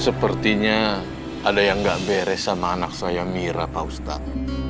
sepertinya ada yang gak beres sama anak saya mira pak ustadz